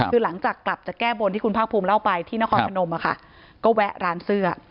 คือหลังจากกลับจะแก้บนที่คุณภาคภูมิเล่าไปที่นครพนมก็แวะร้านเสื้อ